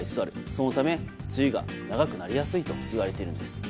そのため梅雨が長くなりやすいといわれているんです。